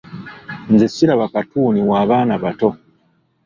Nze siraba katuuni w'abaana bato.